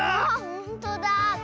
ほんとだね。